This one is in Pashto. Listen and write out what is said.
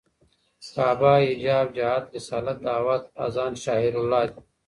کعبه، حجاب جهاد، رسالت، دعوت، اذان....شعائر الله دي